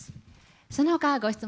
そのほかご質問